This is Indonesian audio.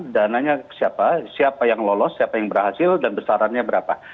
dananya siapa siapa yang lolos siapa yang berhasil dan besarannya berapa